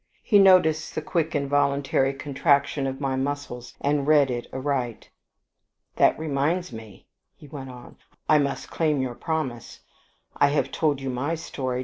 He noticed the quick involuntary contraction of my muscles, and read it aright. "That reminds me," he went on; "I must claim your promise. I have told you my story.